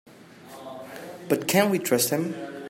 But can we trust him?